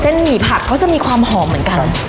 หมี่ผัดก็จะมีความหอมเหมือนกัน